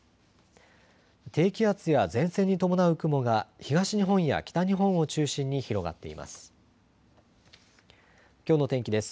低気圧や前線に伴う雲が東日本や北日本を中心に広がっています。